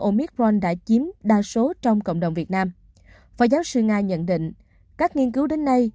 omicron đã chiếm đa số trong cộng đồng việt nam phó giáo sư nga nhận định các nghiên cứu đến nay